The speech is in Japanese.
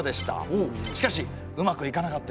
しかしうまくいかなかったようですね。